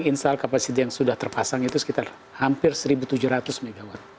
yang sudah terpasang kapasitas yang sudah terpasang itu sekitar hampir seribu tujuh ratus megawatt